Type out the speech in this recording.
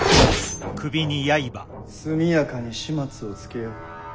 速やかに始末をつけよ。